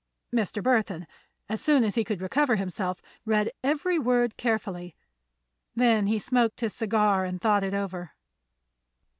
Mr. Burthon, as soon as he could recover himself, read every word carefully. Then he smoked his cigar and thought it over.